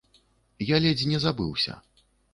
Я ледзь не забыўся.